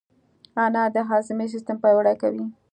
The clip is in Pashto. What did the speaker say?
انار د هاضمې سیستم پیاوړی کوي.